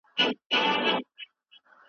لويه جرګه ملي اتفاق پياوړی کوي.